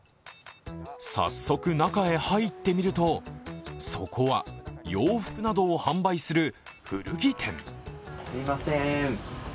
早速、中へ入ってみると、そこは洋服などを販売する古着店。